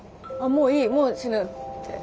もういいもう死ぬって。